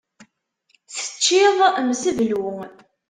Teččiḍ mseblu.